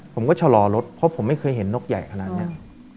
ผมก็ชะลอรถเพราะผมไม่เคยเห็นนกใหญ่ขนาดนี้